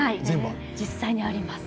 実際にあります。